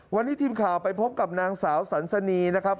วันนี้ทีมข่าวไปพบกับนางสาวสันสนีนะครับ